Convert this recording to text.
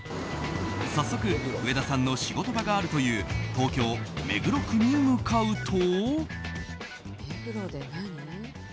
早速、上田さんの仕事場あるという東京・目黒区に向かうと。